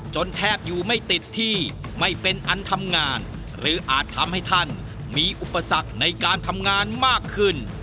แทบอยู่ไม่ติดที่ไม่เป็นอันทำงานหรืออาจทำให้ท่านมีอุปสรรคในการทำงานมากขึ้น